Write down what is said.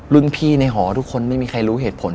รุ่นพี่ในหอทุกคนไม่มีใครรู้เหตุผล